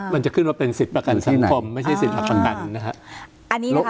มันจะขึ้นมาเป็นสิทธิ์ประกันสังคมไม่ใช่สิทธิ์หลักประกันนะครับ